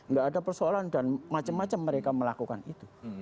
nggak ada persoalan dan macam macam mereka melakukan itu